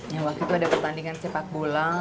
yang waktu itu ada pertandingan sepak bola